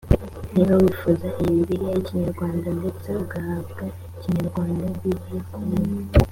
niba wifuza iyi bibiliya y i kinyarwanda ndetse ugahabwa kinyarwanda e bible ku buntu